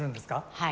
はい。